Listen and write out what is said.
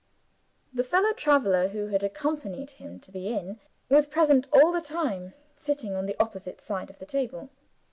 The fellow traveler who had accompanied him to the inn was present all the time, sitting on the opposite side of the table.